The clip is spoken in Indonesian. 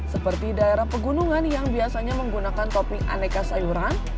seperti daerah pegunungan yang biasanya menggunakan topping aneka sayuran